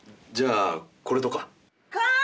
じゃあこれとか？